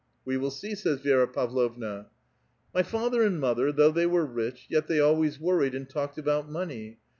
" We will see," savs Vi^ra Pavlovna. " INIy father and mother, though they were rich, yet they always worried and talked about money.